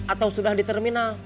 atau sudah di terminal